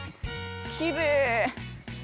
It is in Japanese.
きれい。